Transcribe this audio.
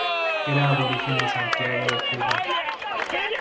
Era aborigen de Santiago de Cuba.